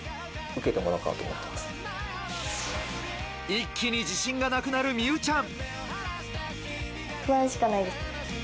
一気に自信がなくなる美羽ちゃん。